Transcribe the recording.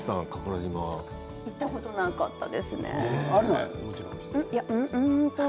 行ったことなかったですね。